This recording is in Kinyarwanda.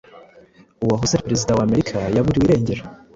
Uwahoze ari perezida wa amerika yaburiwe irengero